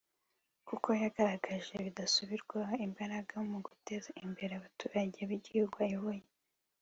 kuko yagaragaje bidasubirwaho imbaraga mu guteza imbere abaturage b’igihugu ayoboye